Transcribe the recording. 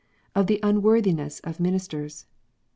Of the Unworthiness of Minis ters.